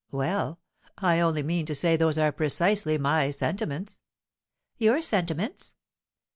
"Well! I only mean to say those are precisely my sentiments." "Your sentiments?"